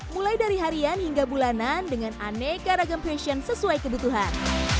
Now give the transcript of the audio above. mulai dari harian hingga bulanan dengan aneka ragam fashion sesuai kebutuhan